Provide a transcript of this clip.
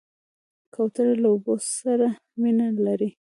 کوتره له اوبو سره مینه لري.